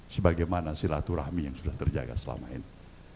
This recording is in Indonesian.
sebagaimana silaturahmi yang sudah terjaga selama ini